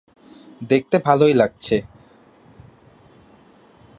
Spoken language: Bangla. দেখতে ভালোই লাগছে।